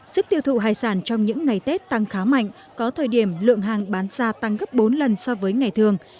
sức tiêu thụ hải sản trong những ngày tết tăng khá mạnh có thời điểm lượng hàng bán ra tăng gấp bốn lần so với ngày thường